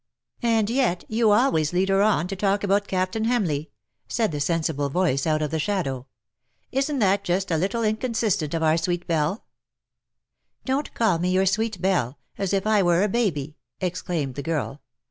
"And yet you always lead her on to talk about Captain Hamleigh," said the sensible voice out of the shadoAY. " Isn't that just a little inconsistent of our sweet Belle T^ " Don't call me your * sweet Belle' — as if I were a baby/' exclaimed the girl.